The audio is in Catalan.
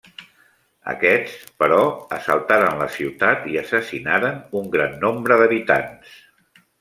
Aquests, però, assaltaren la ciutat i assassinaren un gran nombre d'habitants.